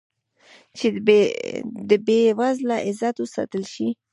چې د بې وزله عزت وساتل شي.